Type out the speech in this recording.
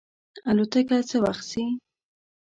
الوتکه څه وخت ځي؟